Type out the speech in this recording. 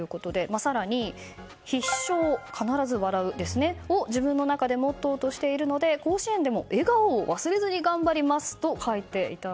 更に、「必笑」必ず笑うを自分の中でモットーとしているので甲子園でも笑顔を忘れずに頑張りますと書いていました。